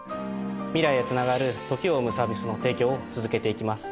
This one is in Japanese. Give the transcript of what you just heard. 「未来へつながる時を生む」サービスの提供を続けていきます。